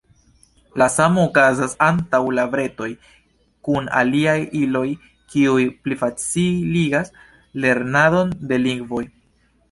La samo okazas antaŭ la bretoj kun aliaj iloj, kiuj plifaciligas lernadon de lingvoj.